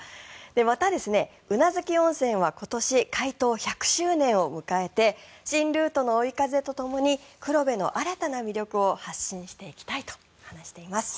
また、宇奈月温泉は今年、開湯１００周年を迎えて新ルートの追い風とともに黒部の新たな魅力を発信していきたいと話しています。